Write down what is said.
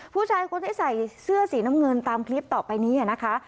ผู้ชายคนที่ใส่เสื้อสีน้ำเงินตามคลิปต่อไปนี้นะคะ